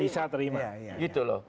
bisa terima gitu loh